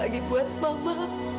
tante lagi buat mama